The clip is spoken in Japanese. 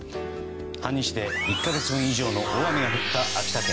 半日で、１か月分以上の大雨が降った秋田県。